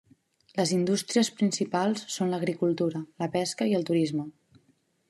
Les indústries principals són l'agricultura, la pesca i el turisme.